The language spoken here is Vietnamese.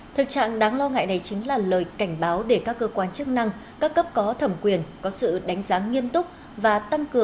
thực trạng đáng lo ngại này chính là lời cảnh báo để các cơ quan chức năng các cấp có thẩm quyền có sự đánh giá nghiêm túc